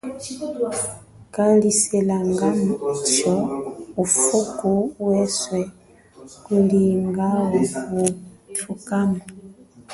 Kaliselangacho ufuku weswe mulonga wakuthukamo.